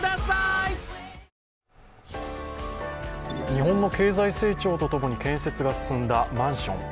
日本の経済成長とともに建設が進んだマンション。